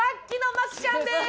麻貴ちゃんです！